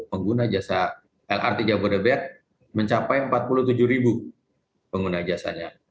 pengguna jasa lrt jabodebek mencapai empat puluh tujuh ribu pengguna jasanya